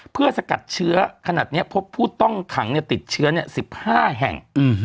เพื่อสกัดเชื้อขนาดนี้พบผู้ต้องขังติดเชื้อ๑๕แห่ง